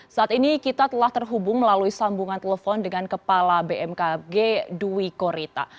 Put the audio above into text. saat ini kita telah terhubung melalui sambungan telepon dengan kepala bmkg dwi korita